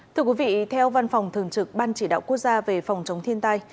thưa quý vị theo văn phòng thường trực ban chỉ đạo quốc gia về phòng chống thiên tai